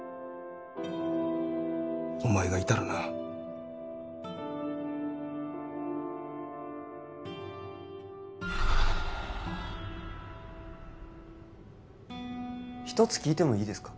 お前がいたらな一つ聞いてもいいですか？